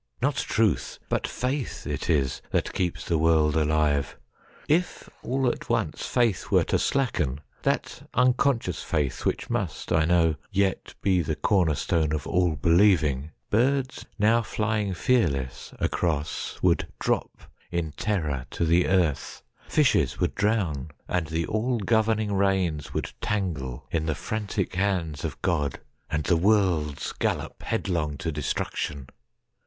Not Truth, but Faith, it isThat keeps the world alive. If all at onceFaith were to slacken,—that unconscious faithWhich must, I know, yet be the corner stoneOf all believing,—birds now flying fearlessAcross would drop in terror to the earth; Fishes would drown; and the all governing reinsWould tangle in the frantic hands of GodAnd the worlds gallop headlong to destruction!